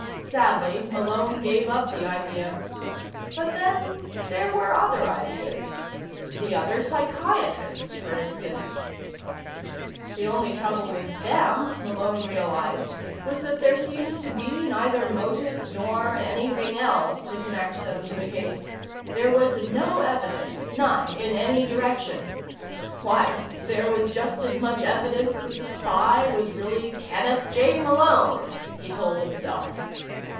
Sadly, Malone gave up the idea. But, then, there were other ideas. The other psychiatrists, for instance.... The only trouble with them, Malone realized, was that there seemed to be neither motive nor anything else to connect them to the case. There was no evidence, none in any direction. Why, there was just as much evidence that the spy was really Kenneth J. Malone, he told himself.